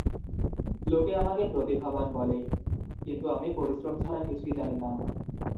লোকে আমাকে প্রতিভাবান বলে, কিন্তু আমি পরিশ্রম ছাড়া কিছুই জানিনা।